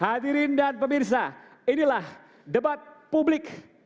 hadirin dan pemirsa inilah debat publik